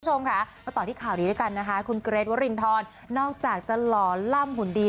คุณผู้ชมค่ะมาต่อที่ข่าวนี้ด้วยกันนะคะคุณเกรทวรินทรนอกจากจะหล่อล่ำหุ่นดี